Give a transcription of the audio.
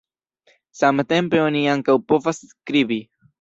Samtempe oni ankaŭ povas skribi.